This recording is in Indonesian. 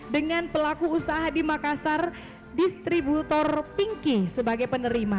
dengan pelaku usaha di makassar distributor pinky sebagai penerima